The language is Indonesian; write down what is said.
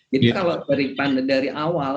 jadi kalau dari awal